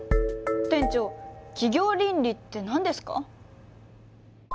店長「企業倫理」って何ですか？